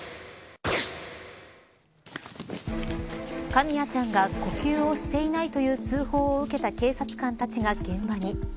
カミヤちゃんが呼吸をしていないという通報を受けた警察官たちが現場に。